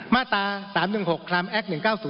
มาตรา๓๑๖คลามแอค๑๙๐